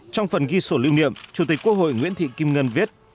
trong phần ghi sổ lưu niệm chủ tịch quốc hội nguyễn thị kim ngân viết